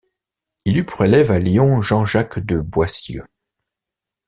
Il eut pour élève, à Lyon, Jean-Jacques de Boissieu.